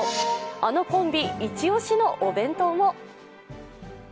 あのコンビ一押しのお弁当も。